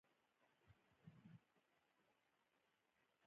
سرحدونه د افغانانو د تفریح یوه وسیله ده.